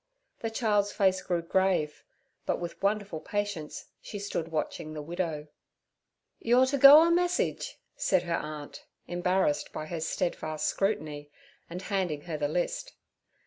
The child's face grew grave, but with wonderful patience she stood watching the widow. 'You're to go a message' said her aunt, embarrassed by her steadfast scrutiny, and handing her the list.